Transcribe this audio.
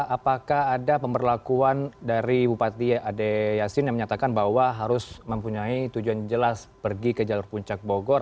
apakah ada pemberlakuan dari bupati ade yasin yang menyatakan bahwa harus mempunyai tujuan jelas pergi ke jalur puncak bogor